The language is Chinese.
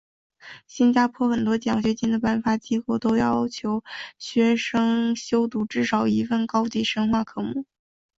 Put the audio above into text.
新加坡很多奖学金的颁发机构都要求学生修读至少一份高级深化科目。